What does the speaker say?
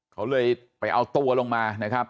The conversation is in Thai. เขาเลยไปเอาตัวลงมานะครับ